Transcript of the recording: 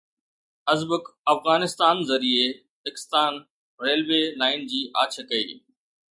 Uzbek Afghanistan ذريعي اکستان railway line جي آڇ ڪئي